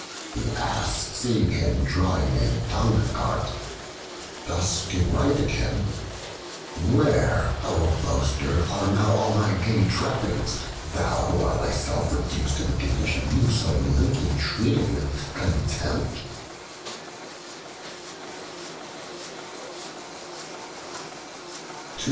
The Ass, seeing him drawing a dungcart, thus derided him: "Where, O boaster, are now all thy gay trappings, thou who are thyself reduced to the condition you so lately treated with contempt?"